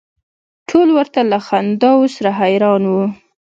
ټول ورته له خنداوو سره حیران و.